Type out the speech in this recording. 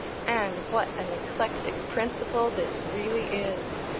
And what an eclectic principle this really is!